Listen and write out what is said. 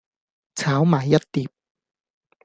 炒埋一碟